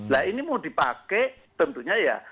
nah ini mau dipakai tentunya ya